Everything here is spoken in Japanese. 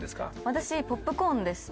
私ポップコーンですね。